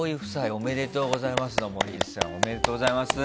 おめでとうございます。